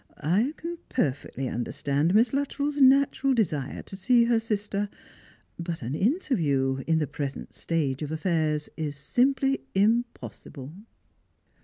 I can perfectly understand Miss Luttrell's natural desire to see her sister. But an interview, in the pre sent stage of affairs, is simply impossible."